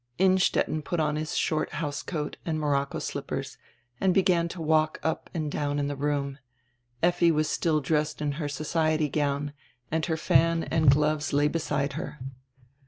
Innstetten put on his short house coat and morocco slip pers, and began to walk up and down in die room; Effi was still dressed in her society gown, and her fan and gloves lay beside her.